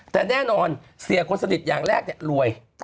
แต่แน่นอนเสียคนสนิทอย่างแรกเนี่ยรวย